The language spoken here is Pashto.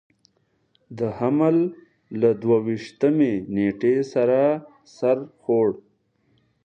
د حمل له دوه ویشتمې نېټې سره سر خوړ.